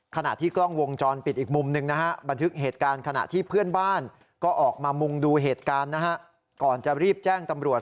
ขณะที่กล้องวงจรปิดอีกมุมหนึ่ง